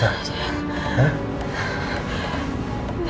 biar gak telat